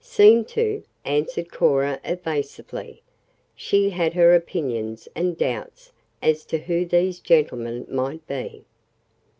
"Seemed to," answered Cora evasively. She had her opinions and doubts as to who these gentlemen might be.